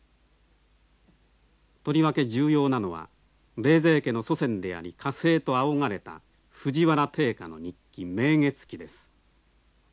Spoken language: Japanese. とりわけ重要なのは冷泉家の祖先であり歌聖と仰がれた藤原定家の日記「明月記」です。